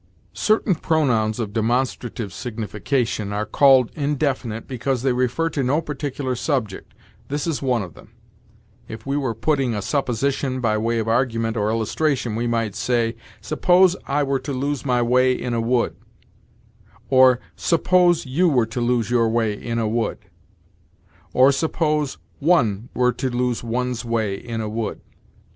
Certain pronouns of demonstrative signification are called indefinite because they refer to no particular subject. This is one of them. If we were putting a supposition by way of argument or illustration, we might say, "Suppose I were to lose my way in a wood"; or, "Suppose you were to lose your way in a wood"; or, "Suppose one were to lose one's way in a wood."